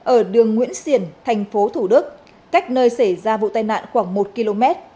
ở đường nguyễn xiển thành phố thủ đức cách nơi xảy ra vụ tai nạn khoảng một km